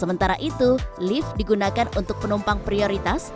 sementara itu lift digunakan untuk penumpang prioritas